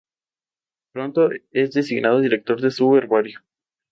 Actualmente dirige al Brescia Calcio de Italia.